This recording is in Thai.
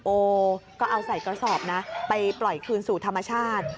โอ้ก็เอาใส่กระสอบนะไปปล่อยคืนสู่ธรรมชาติ